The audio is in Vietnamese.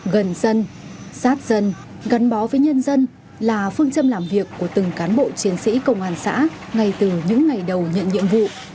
gần dân sát dân gắn bó với nhân dân là phương châm làm việc của từng cán bộ chiến sĩ công an xã ngay từ những ngày đầu nhận nhiệm vụ